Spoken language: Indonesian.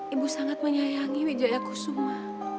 ibu sangat menyayangi wijaya kusuma